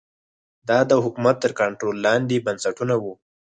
دا د حکومت تر کنټرول لاندې بنسټونه وو